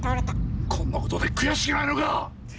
こんなことで悔しくないのか？